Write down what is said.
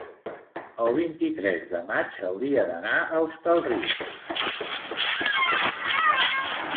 el vint-i-tres de maig hauria d'anar a Hostalric.